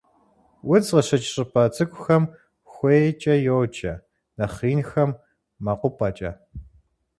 Удз къыщыкӀ щӀыпӀэ цӀыкӀухэм хуейкӀэ йоджэ, нэхъ инхэм - мэкъупӀэкӀэ.